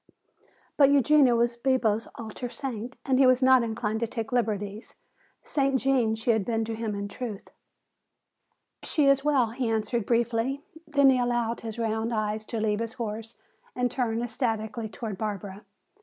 But Eugenia was Bibo's altar saint and he was not inclined to take liberties. Saint Gene she had been to him in truth! "She is well," he answered briefly. Then he allowed his round eyes to leave his horse and turn ecstatically toward Barbara.